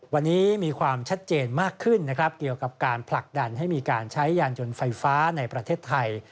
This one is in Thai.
วันนี้มีความชัดเจนมากขึ้นนะครับเกี่ยวกับการผลักดันให้มีการใช้ยานยนต์ไฟฟ้าในประเทศไทย